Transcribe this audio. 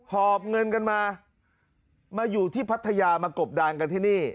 หอบเงินกันมามาอยู่ที่พัทยากบดานกันที่นี่